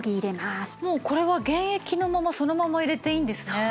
もうこれは原液のままそのまま入れていいんですね。